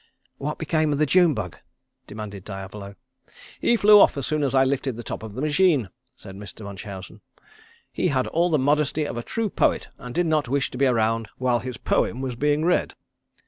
"What became of the June bug?" demanded Diavolo. "He flew off as soon as I lifted the top of the machine," said Mr. Munchausen. "He had all the modesty of a true poet and did not wish to be around while his poem was being read."